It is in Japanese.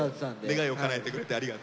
願いをかなえてくれてありがとう。